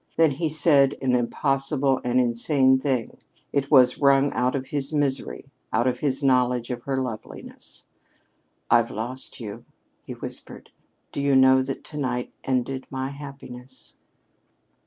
Then he said an impossible and insane thing. It was wrung out of his misery, out of his knowledge of her loveliness. "I've lost you!" he whispered. "Do you know that to night ended my happiness?"